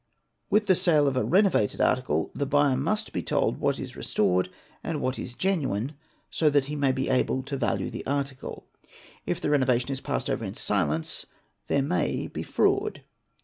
With the sale of a renovated article, the buyer must be told what is restored and what is genuine, so that he may be able to value the article ; if the renovation is passed over in silence there may be fraud.